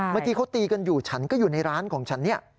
เมื่อกี้เขาตีกันอยู่ฉันก็อยู่ในร้านของฉันเนี่ย